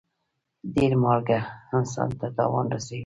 ډېر مالګه انسان ته تاوان رسوي.